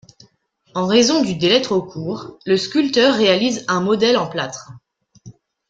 En raison du délai trop court, le sculpteur réalise un modèle en plâtre.